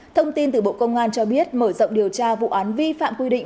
thông tin từ bộ công an cho biết mở rộng điều tra vụ án vi phạm quy định